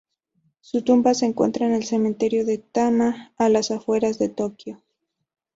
Su tumba se encuentra en el Cementerio de Tama, a las afueras de Tokio.